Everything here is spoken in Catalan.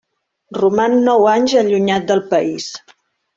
Roman nou anys allunyat del país.